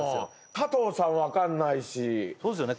加藤さん分かんないしそうですよね